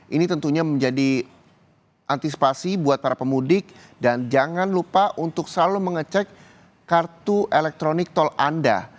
ini tentunya menjadi antisipasi buat para pemudik dan jangan lupa untuk selalu mengecek kartu elektronik tol anda